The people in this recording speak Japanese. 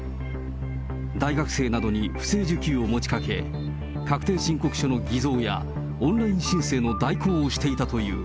大学生などに不正受給を持ちかけ、確定申告書の偽造や、オンライン申請の代行をしていたという。